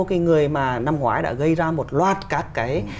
cái người mà năm ngoái đã gây ra một loạt các cái